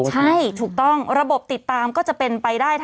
ใช่ถูกต้องระบบติดตามก็จะเป็นไปได้